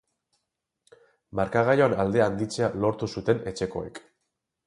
Markagailuan aldea handitzea lortu zuten etxekoek.